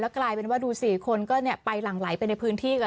กลายเป็นว่าดูสิคนก็ไปหลั่งไหลไปในพื้นที่กัน